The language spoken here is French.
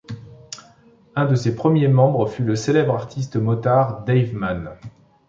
Un de ses premiers membres fut le célèbre artiste motard Dave Mann.